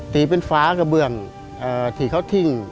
ตีเป็นฝากระเบื้องที่เขาทิ้ง